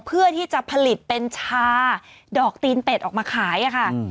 เพื่อที่จะผลิตเป็นชาดอกตีนเป็ดออกมาขายค่ะ